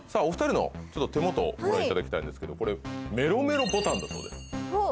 お二人の手元をご覧いただきたいんですけどこれメロメロボタンだそうです。